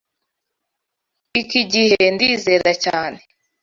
Iki gihe ndizera cyane.